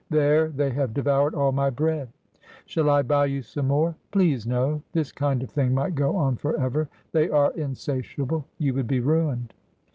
There ! they have devoured all my bread.' ' Shall I buy you some more ?'' Please, no. This kind of thing might go on for ever. They are insatiable. You would be ruined.'